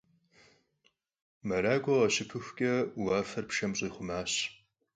Merak'ue khaşıpıxuç'e, vuafer pşşem ş'ixhumaş.